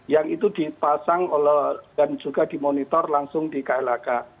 yang itu dipasang dan juga dimonitor langsung di klhk